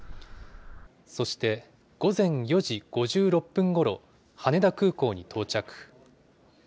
そして、午前４時５６分ごろ、羽田空港に到着。